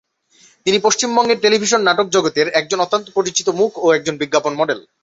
তিনি পশ্চিমবঙ্গের টেলিভিশন নাটক জগতের একজন অত্যন্ত পরিচিত মুখ ও একজন বিজ্ঞাপন মডেল।